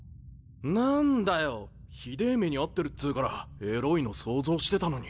何だよひでぇ目に遭ってるっつうからエロいの想像してたのに。